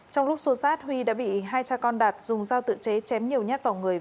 trong lúc xô sát huy đã bị hai cha con đạt dùng dao tự chế chém nhiều nhát vào người